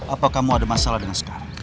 apa kamu ada masalah dengan sekarang